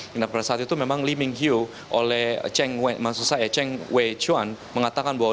pada saat itu memang li ming yu oleh chen wei chuan mengatakan bahwa